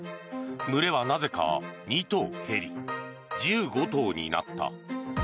群れはなぜか、２頭減り１５頭になった。